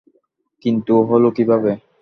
কিন্তু হলো কিভাবে?